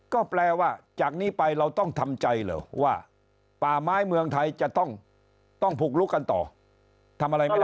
ก็แปลว่าจากนี้ไปเราต้องทำใจเหรอว่าป่าไม้เมืองไทยจะต้องผุกลุกกันต่อทำอะไรไม่ได้